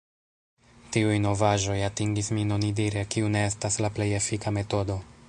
Tiuj novaĵoj atingis min “onidire”, kiu ne estas la plej efika metodo.